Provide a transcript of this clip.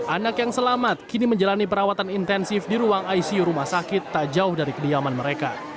anak yang selamat kini menjalani perawatan intensif di ruang icu rumah sakit tak jauh dari kediaman mereka